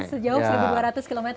harusnya jauh seribu dua ratus km